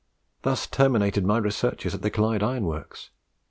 Thus terminated my researches at the Clyde Iron Works.